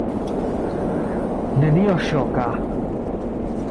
Nenio ŝoka.